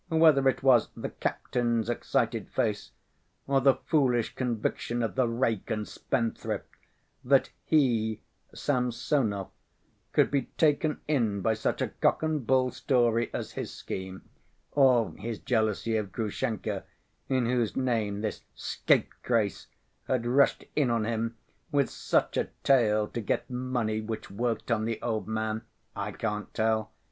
Whether it was the "captain's" excited face, or the foolish conviction of the "rake and spendthrift," that he, Samsonov, could be taken in by such a cock‐and‐bull story as his scheme, or his jealousy of Grushenka, in whose name this "scapegrace" had rushed in on him with such a tale to get money which worked on the old man, I can't tell.